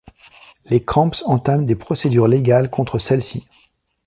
Les Cramps entament des procédures légales contre celle-ci.